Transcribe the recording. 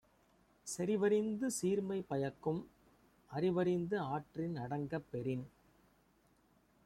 செறிவறிந்து சீர்மை பயக்கும் அறிவறிந்து ஆற்றின் அடங்கப் பெறின்